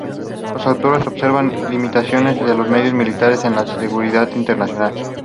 Los autores observan las limitaciones de los medios militares en la seguridad internacional.